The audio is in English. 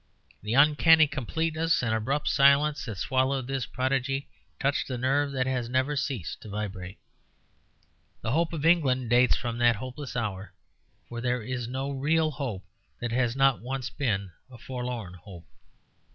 The uncanny completeness and abrupt silence that swallowed this prodigy touched a nerve that has never ceased to vibrate. The hope of England dates from that hopeless hour, for there is no real hope that has not once been a forlorn hope.